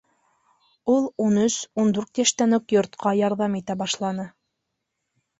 Ул ун өс-ун дүрт йәштән үк йортҡа ярҙам итә башланы.